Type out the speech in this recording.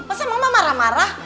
masa mama marah marah